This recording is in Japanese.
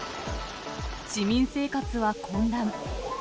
市民生活は混乱。